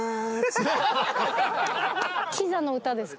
キザの歌ですか？